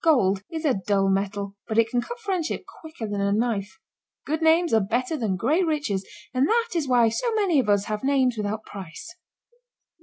Gold is a dull metal, but it can cut friendship quicker than a knife. Good names are better than great riches and that is why so many of us have names without price.